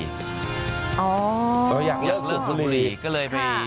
อยากเลิกสูบบุหรี่